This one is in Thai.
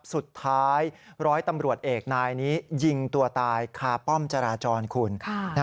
สุดท้ายร้อยตำรวจเอกนายนี้ยิงตัวตายคาป้อมจราจรคุณ